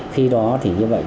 khi đó thì như vậy